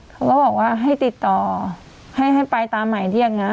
เขาก็บอกว่าให้ติดต่อให้ไปตามหมายเรียกนะ